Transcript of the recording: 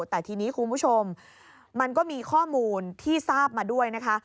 แต่ทีนี้คุณผู้ชมมันก็มีข้อมูลที่ทราบมาด้วยนะคะ